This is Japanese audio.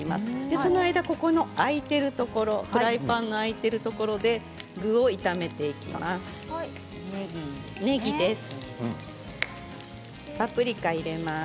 その間ここ空いているところフライパンの空いているところで具を炒めていきます。